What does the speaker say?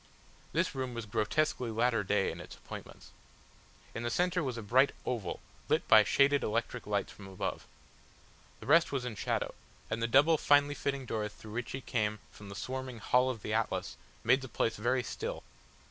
This room was grotesquely latter day in its appointments. In the centre was a bright oval lit by shaded electric lights from above. The rest was in shadow, and the double finely fitting doors through which he came from the swarming Hall of the Atlas made the place very still.